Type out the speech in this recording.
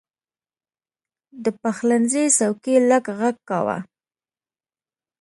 د پخلنځي څوکۍ لږ غږ کاوه.